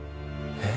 え？